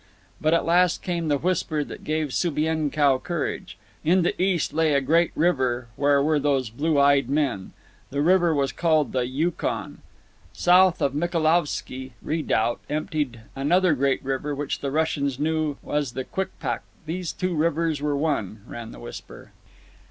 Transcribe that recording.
But at last came the whisper that gave Subienkow courage. In the east lay a great river where were these blue eyed men. The river was called the Yukon. South of Michaelovski Redoubt emptied another great river which the Russians knew as the Kwikpak. These two rivers were one, ran the whisper.